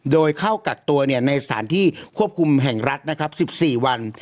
โดยเข้ากักตัวในสถานที่ควบคุมแห่งรัฐนะครับ๑๔วัน